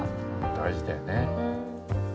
大事だよね。